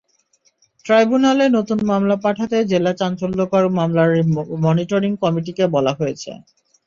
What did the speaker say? ট্রাইব্যুনালে নতুন মামলা পাঠাতে জেলা চাঞ্চল্যকর মামলার মনিটরিং কমিটিকে বলা হয়েছে।